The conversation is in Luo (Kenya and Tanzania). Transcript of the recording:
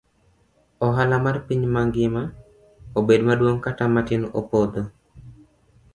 Ohala mar piny mangima, obed maduong' kata matin opodho.